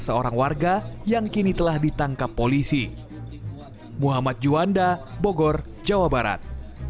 seorang warga yang kini telah ditangkap polisi muhammad juanda bogor jawa barat